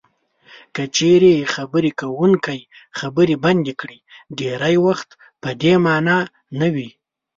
که چېرې خبرې کوونکی خبرې بندې کړي ډېری وخت په دې مانا نه وي.